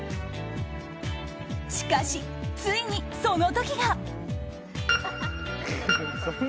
しかし、ついにその時が！